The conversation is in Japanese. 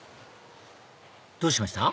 どうしました？